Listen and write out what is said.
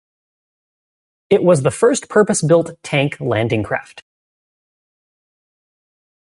It was the first purpose built tank landing craft.